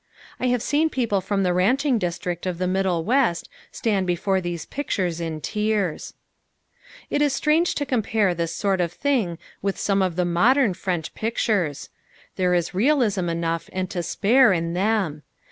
I have seen people from the ranching district of the Middle West stand before these pictures in tears. It is strange to compare this sort of thing with some of the modern French pictures. There is realism enough and to spare in them.